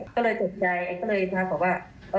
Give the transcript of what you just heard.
ก็เลยภาพบอกว่า